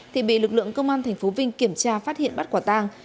thì bị lực lượng công an tp vinh kiểm tra phát hiện bắt quả tang